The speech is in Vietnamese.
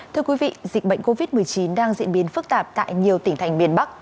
thưa quý vị dịch bệnh covid một mươi chín đang diễn biến phức tạp tại nhiều tỉnh thành miền bắc